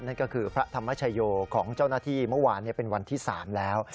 นั่นก็คือพระธรรมชโยของเจ้าหน้าที่เมื่อวานเป็นวันที่๓แล้ว